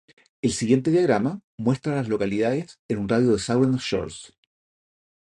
El siguiente diagrama muestra a las localidades en un radio de de Southern Shores.